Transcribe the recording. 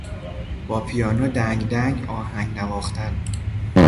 با پیانو دنگدنگ آهنگ نواختن